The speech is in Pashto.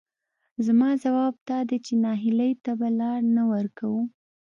زما ځواب دادی چې نهیلۍ ته به لار نه ورکوو،